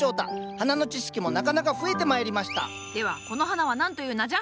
花の知識もなかなか増えてまいりましたではこの花は何という名じゃ？